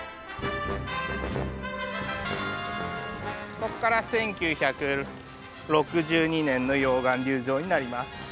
ここから１９６２年の溶岩流上になります。